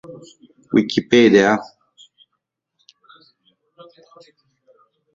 The National Rally list in Caen was led by Isabelle Gilbert.